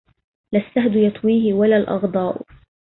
لا السهد يطويه ولا الإغضاء